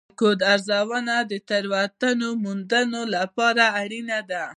د کوډ ارزونه د تېروتنو موندلو لپاره اړینه ده.